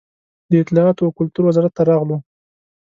د اطلاعات و کلتور وزارت ته راغلو.